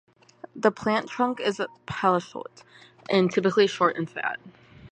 The plant trunk is pachycaule, and typically short and fat.